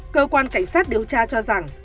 cơ quan cảnh sát điều tra cho rằng